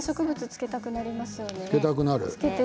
つけたくなる。